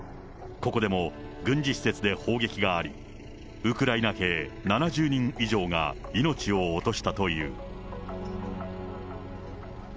ここでも軍事施設で砲撃があり、ウクライナ兵７０人以上が命を落としたという。